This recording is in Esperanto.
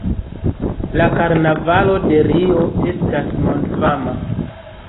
La karnavalo de Rio estas mondfama.